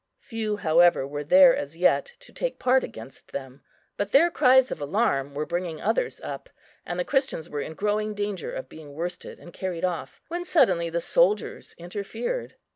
Few, however, were there as yet to take part against them, but their cries of alarm were bringing others up, and the Christians were in growing danger of being worsted and carried off, when suddenly the soldiers interfered.